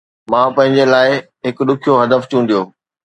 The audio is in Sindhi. مان پنهنجي لاءِ هڪ ڏکيو هدف چونڊيو